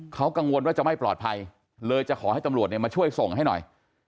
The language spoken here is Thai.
เขากังวลว่าจะไม่ปลอดภัยเลยจะขอให้ตำรวจมาช่วยส่งให้หน่อย